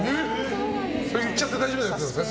言っちゃって大丈夫なやつですか？